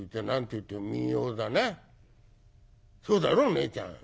そうだろ？ねえちゃん」。